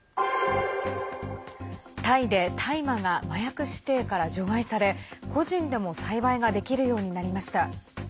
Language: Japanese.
タイで大麻が麻薬指定から除外され個人でも栽培ができるようになりました。